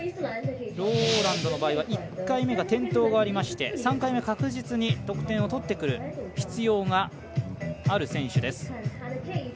ローランドの場合は１回目は転倒がありまして３回目、確実に得点を取ってくる必要がある選手です。